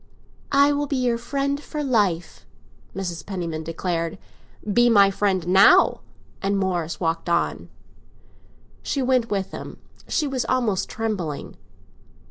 "I will be your friend for life!" Mrs. Penniman declared. "Be my friend now!" And Morris walked on. She went with him; she was almost trembling.